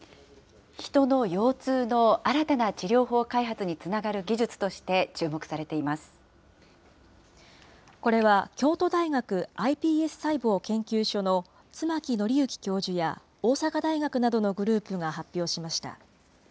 ヒトの腰痛の新たな治療法開発につながる技術として注目されこれは、京都大学ｉＰＳ細胞研究所の妻木範行教授や大阪大学などのグループが発表しました。